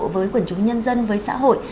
với quần chúng nhân dân với xã hội